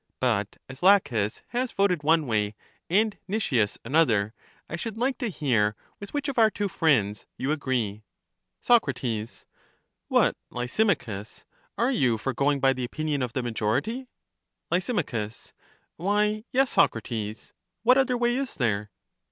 But as Laches has voted one way and Nicias another, I should like to hear with which of our two friends you agree. Soc, What, Lysimachus, are you for going by the opinion of the majority? Lys, Why, yes, Socrates ;' what other way is there?